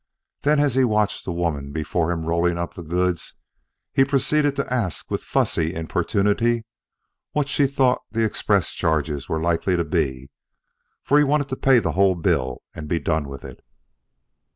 Then as he watched the woman before him rolling up the goods he proceeded to ask with fussy importunity what she thought the express charges were likely to be, for he wanted to pay the whole bill and be done with it.